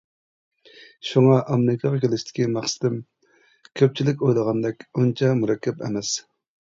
شۇڭا ئامېرىكىغا كېلىشتىكى مەقسىتىم كۆپچىلىك ئويلىغاندەك ئۇنچە مۇرەككەپ ئەمەس.